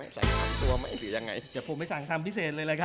อายุเหมือนเค้าก็ไปเถอะ